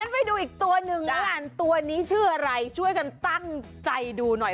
ไปดูอีกตัวหนึ่งแล้วกันตัวนี้ชื่ออะไรช่วยกันตั้งใจดูหน่อย